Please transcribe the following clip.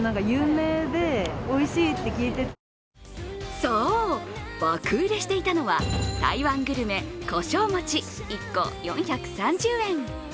そう、爆売れしていたのは台湾グルメ、胡椒餅、１個４３０円。